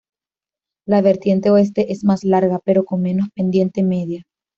La vertiente oeste es más larga, pero con menos pendiente media.